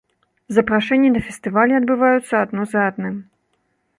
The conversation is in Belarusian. Запрашэнні на фестывалі адбываюцца адно за адным.